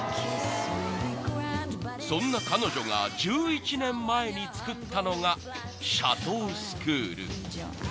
［そんな彼女が１１年前に作ったのがシャトースクール］